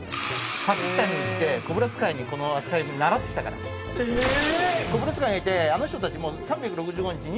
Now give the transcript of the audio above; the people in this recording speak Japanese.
パキスタンに行ってコブラ使いにこの扱い習ってきたからコブラ使いがいてあの人達３６５日２４時間